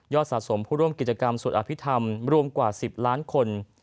สะสมผู้ร่วมกิจกรรมสวดอภิษฐรรมรวมกว่า๑๐ล้านคน